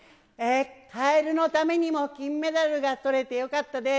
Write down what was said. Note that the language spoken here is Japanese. カエルのためにも金メダルがとれてよかったです。